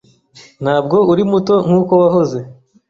Ntabwo uri muto nkuko wahoze